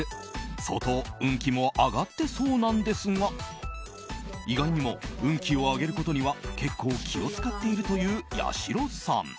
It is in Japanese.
相当、運気も上がってそうなんですが意外にも運気を上げることには結構気を使っているというやしろさん。